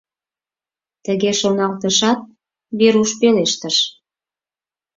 Тыге шоналтышат, Веруш пелештыш: